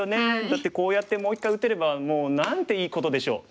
だってこうやってもう一回打てればもう何ていいことでしょう。